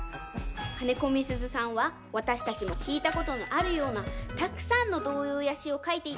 金子みすゞさんはわたしたちもきいたことのあるようなたくさんのどうようやしをかいていたかたなんだよね。